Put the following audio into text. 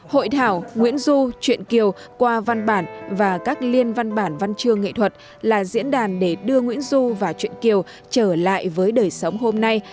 hội thảo nguyễn du truyện kiều qua văn bản và các liên văn bản văn chương nghệ thuật là diễn đàn để đưa nguyễn du và truyện kiều trở lại với đời sống hôm nay